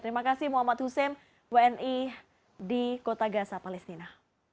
terima kasih muhammad hussein wni di kota gaza palestina